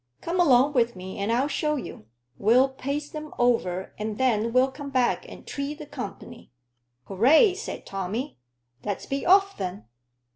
Come along with me and I'll show you. We'll paste them over, and then we'll come back and treat the company." "Hooray!" said Tommy. "Let's be off then."